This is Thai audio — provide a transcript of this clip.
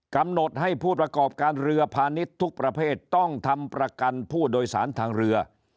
กำหนดให้ผู้ประกอบการเรือพาณิชย์ทุกประเภทต้องทำประกันผู้โดยสารทางเรือ